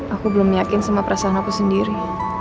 aku belum yakin sama perasaan aku sendiri